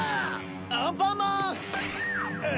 アンパンマン！